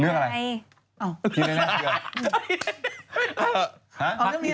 เรื่องอะไร